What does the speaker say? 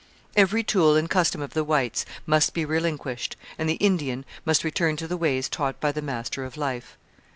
Every tool and custom of the whites must be relinquished, and the Indian must return to the ways taught by the Master of Life.